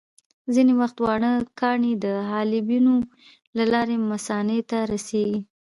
ځینې وخت واړه کاڼي د حالبینو له لارې مثانې ته رسېږي.